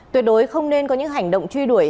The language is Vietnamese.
tuyệt đối không nên có những hành động truy đuổi